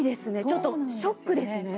ちょっとショックですね。